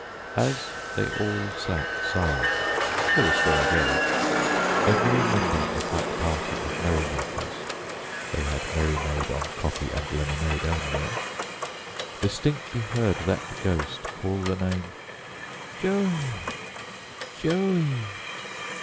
As they all sat silent (so the story goes) every member of that party of merrymakers they had merrymade on coffee and lemonade only distinctly heard that ghost call the name 'Joey, Joey!'